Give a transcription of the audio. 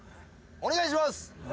お願いします。